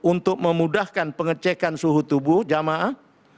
untuk memudahkan pengecekan suhu tubuh jamaah